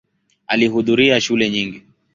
Alihudhuria shule nyingi.